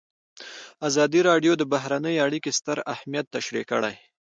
ازادي راډیو د بهرنۍ اړیکې ستر اهميت تشریح کړی.